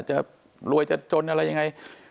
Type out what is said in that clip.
จะรวยจะจนอะไรยังไง